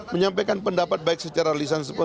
menyampaikan pendapat baik secara lisan